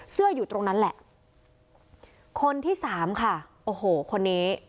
อยู่ตรงนั้นแหละคนที่สามค่ะโอ้โหคนนี้